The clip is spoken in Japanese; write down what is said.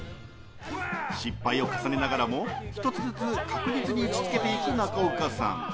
失敗を重ねながらも１つずつ確実に打ち付けていく中岡さん。